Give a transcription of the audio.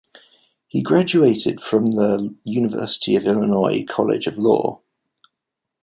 He graduated from the University of Illinois College of Law.